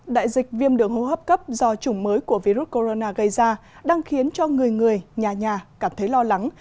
đại dịch viêm đường hô hấp cấp do chủng mới của virus corona gây ra đang khiến cho người người nhà nhà cảm thấy lo lắng